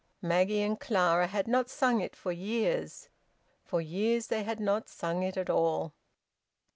Maggie and Clara had not sung it for years. For years they had not sung it at all.